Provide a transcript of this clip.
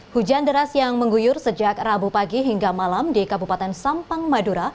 hujan deras yang mengguyur sejak rabu pagi hingga malam di kabupaten sampang madura